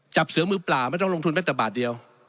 จับเสือมือเปล่าไม่ต้องลงทุนแม้แต่บาทเดียว